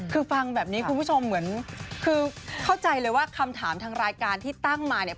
คือฟังแบบนี้คุณผู้ชมเหมือนคือเข้าใจเลยว่าคำถามทางรายการที่ตั้งมาเนี่ย